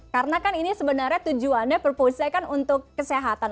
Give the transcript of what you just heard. karena kan ini sebenarnya tujuannya proporsinya kan untuk kesehatan